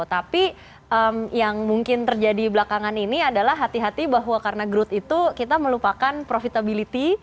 tapi yang mungkin terjadi belakangan ini adalah hati hati bahwa karena growth itu kita melupakan profitability